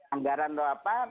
anggaran atau apa